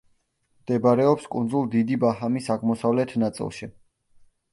მდებარეობს კუნძულ დიდი ბაჰამის აღმოსავლეთ ნაწილში.